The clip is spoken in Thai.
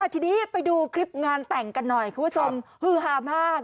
ทีนี้ไปดูคลิปงานแต่งกันหน่อยคุณผู้ชมฮือฮามาก